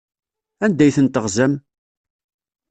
Anda ay ten-teɣzam?